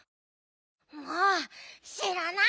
もうしらない！